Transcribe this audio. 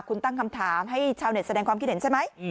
คุณตั้งคำถามให้ชาวเน็ตแสดงความคิดเห็นใช่ไหม